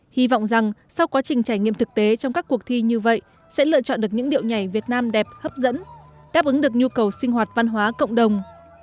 hy vọng rằng sau quá trình trải nghiệm thực tế trong các cuộc thi như vậy sẽ lựa chọn được những điệu nhảy việt nam đẹp hấp dẫn đáp ứng được nhu cầu sinh hoạt văn hóa cộng đồng